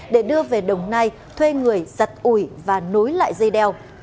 để đưa về đồng nai thuê người giật ủi và nối lại dây đeo